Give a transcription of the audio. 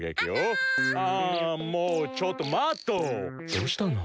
どうしたの？